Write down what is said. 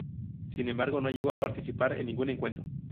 Sin embargo, no llegó a participar en ningún encuentro.